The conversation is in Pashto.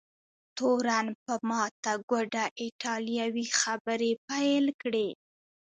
تورن په ماته ګوډه ایټالوي خبرې پیل کړې.